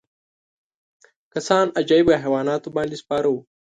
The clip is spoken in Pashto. کسان عجیبو حیواناتو باندې سپاره وو.